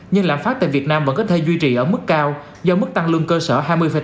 nhưng lạm phát tại việt nam vẫn có thể duy trì ở mức cao do mức tăng lương cơ sở hai mươi